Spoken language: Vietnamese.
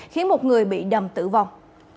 khiến một người bị đầm tử vong